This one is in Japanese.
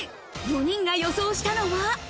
４人が予想したのは。